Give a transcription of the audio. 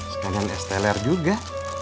sekarang es teler juga